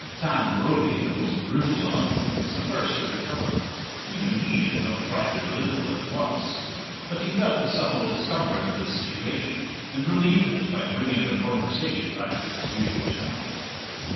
Tam Brodie, the most brutal among them, was the first to recover. Even he did not try to belittle at once, but he felt the subtle discomfort of the situation, and relieved it by bringing the conversation back to its usual channel.